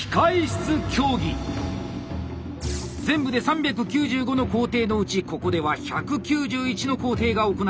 全部で３９５の工程のうちここでは１９１の工程が行われます。